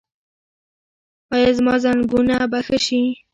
ایا زما زنګونونه به ښه شي؟